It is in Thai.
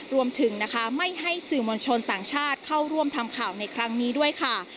รวมถึงนะคะไม่ให้สื่อมวลชนต่างชาติเข้าร่วมทำข่าวในครั้งนี้ด้วยค่ะ